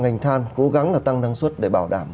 ngành than cố gắng là tăng năng suất để bảo đảm